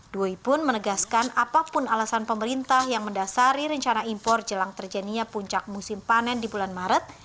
dwi pun menegaskan apapun alasan pemerintah yang mendasari rencana impor jelang terjadinya puncak musim panen di bulan maret